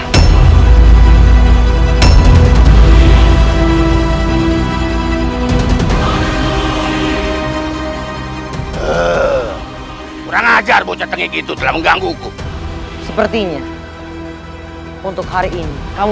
yunda masih mempunyai luka yang sangat parah